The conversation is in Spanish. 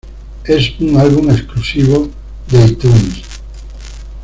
Es un álbum exclusivo de iTunes.